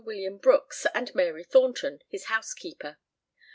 William Brookes and Mary Thornton, his housekeeper.